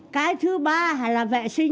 cái thứ ba là vệ sinh